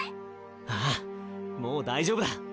ああもう大丈夫だ！